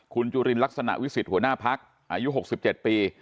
คุณจุรินรักษณะวิสิทธิ์หัวหน้าพรรคอายุหกสิบเจ็ดปี